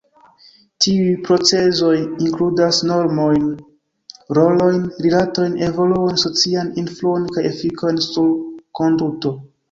Tiuj procezoj inkludas normojn, rolojn, rilatojn, evoluon, socian influon kaj efikojn sur konduto.